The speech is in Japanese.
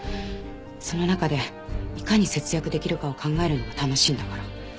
その中でいかに節約できるかを考えるのが楽しいんだから。